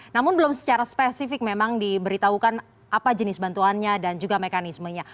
namun belum secara spesifik memang diberitahukan apa jenis bantuannya dan juga mekanismenya